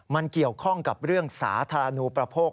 มันเกี่ยวข้องกับเรื่องสาธารณูประโภค